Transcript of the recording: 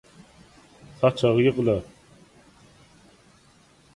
Saçagy ýygna!